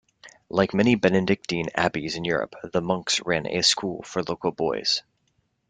Like many Benedictine abbeys in Europe, the monks ran a school for local boys.